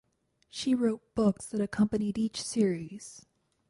She wrote books that accompanied each series.